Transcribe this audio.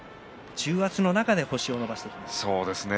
重圧の中で星を伸ばしていきました。